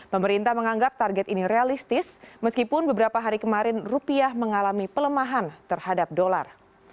pemerintah menganggap target ini realistis meskipun beberapa hari kemarin rupiah mengalami pelemahan terhadap dolar